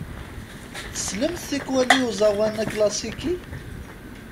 Tsellemt tikwal i uẓawan aklasiki?